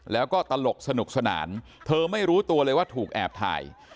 แล้วก็ตลกสนุกสนานเธอไม่รู้ตัวเลยว่าถูกแอบถ่าย